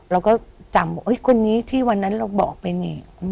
เราก็จำคนนี้ที่วันนั้นเราบอกเป็นอย่างนี้